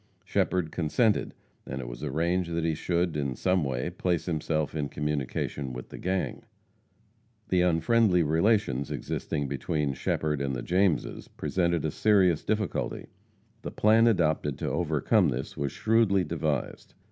Shepherd consented, and it was arranged that he should, in some way, place himself in communication with the gang. The unfriendly relations existing between Shepherd and the Jameses presented a serious difficulty. The plan adopted to overcome this was shrewdly devised.